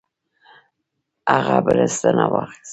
هغه بړستنه واخیست.